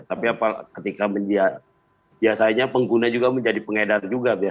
tapi ketika biasanya pengguna juga menjadi pengedar juga